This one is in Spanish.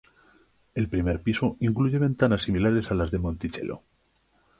El primer piso incluye ventanas similares a las de Monticello.